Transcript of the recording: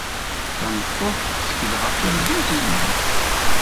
Tameṭṭut tettkel ɣef wergaz-nnes.